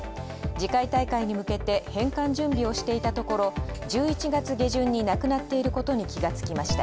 次回大会に向けて返還準備をしていたところ、１１月下旬になくなっていることに気が付きました。